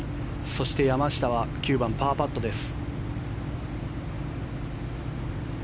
そして山下は９番、パーパットです。